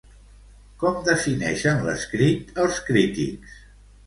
Com defineixen l'escrit els crítics?